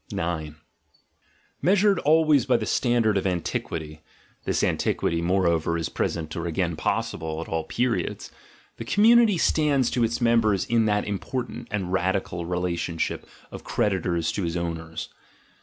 Measured always by the standard of antiquity (this "GUILT" AND "BAD CONSCIENCE" 59 antiquity, moreover, is present or again possible at all periods) , the community stands to its members in that im portant and radical relationship of creditor to his ew ers."